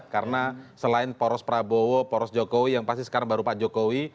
karena selain poros prabowo poros jokowi yang pasti sekarang baru pak jokowi